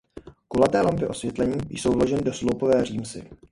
Kulaté lampy osvětlení jsou vloženy do sloupové římsy.